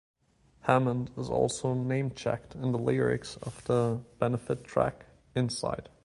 Hammond is also namechecked in the lyrics of the "Benefit" track, "Inside".